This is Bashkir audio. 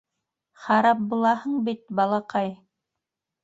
Харап булаһың бит, балаҡай!..